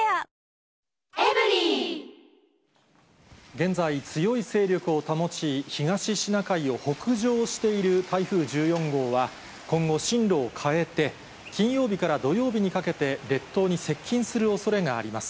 現在、強い勢力を保ち、東シナ海を北上している台風１４号は、今後、進路を変えて、金曜日から土曜日にかけて列島に接近するおそれがあります。